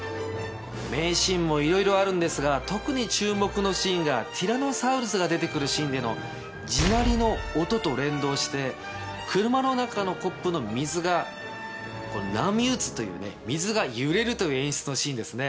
名シーンもいろいろあるんですが特に注目のシーンがティラノサウルスが出て来るシーンでの地鳴りの音と連動して車の中のコップの水が波打つというね水が揺れるという演出のシーンですね。